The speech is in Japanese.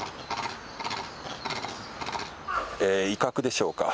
威嚇でしょうか。